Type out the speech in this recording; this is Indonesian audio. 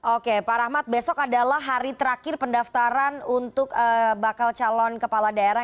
oke pak rahmat besok adalah hari terakhir pendaftaran untuk bakal calon kepala daerah